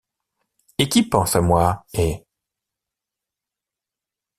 Et qui pense à moi, hé ?